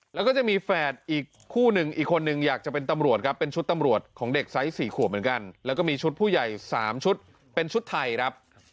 แล้วก็จะมีแฝดอีกคู่หนึ่งอีกคนนึงอยากจะเป็นตำรวจครับเป็นชุดตำรวจของเด็กไซส์๔ขวบเหมือนกันแล้วก็มีชุดผู้ใหญ่๓ชุดเป็นชุดไทยครับ